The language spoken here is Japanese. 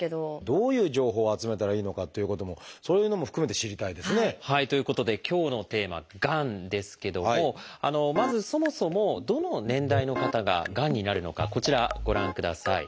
どういう情報を集めたらいいのかっていうこともそういうのも含めて知りたいですね。ということで今日のテーマ「がん」ですけどもまずそもそもどの年代の方ががんになるのかこちらご覧ください。